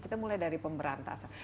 kita mulai dari pemberantasan